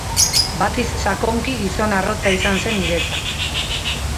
Batis sakonki gizon arrotza izan zen niretzat.